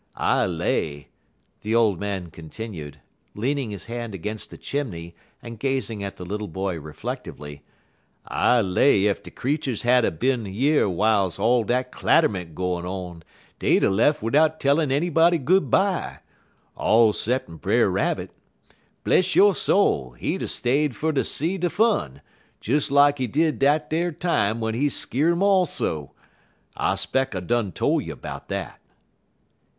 "I lay," the old man continued, leaning his hand against the chimney and gazing at the little boy reflectively, "I lay ef de creeturs had a bin yer w'iles all dat clatterment gwine on dey'd a lef' bidout tellin' anybody good bye. All 'ceppin' Brer Rabbit. Bless yo' soul, he'd er stayed fer ter see de fun, des lak he did dat t'er time w'en he skeer um all so. I 'speck I done tole you 'bout dat."